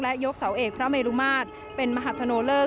และยกเสาเอกพระเมรุมาตรเป็นมหาธโนเลิก